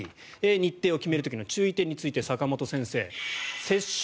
日程を決める時の注意点について坂元先生